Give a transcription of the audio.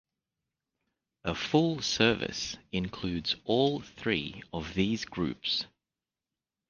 A "Full Service" includes all three of these groups.